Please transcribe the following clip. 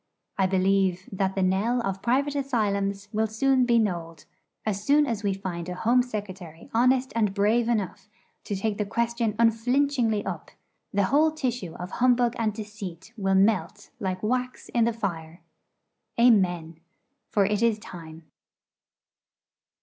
I believe that the knell of private asylums will soon be knolled. As soon as we find a Home Secretary honest and brave enough to take the question unflinchingly up, the whole tissue of humbug and deceit will melt like wax in the fire. Amen. For it is time.